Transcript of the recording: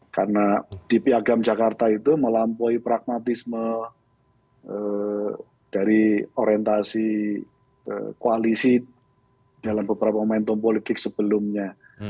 karena di piagam jakarta itu melampaui pragmatisme dari orientasi koalisi dalam beberapa momentum politik sebelumnya